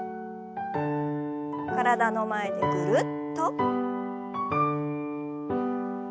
体の前でぐるっと。